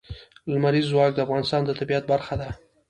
لمریز ځواک د افغانستان د طبیعت برخه ده.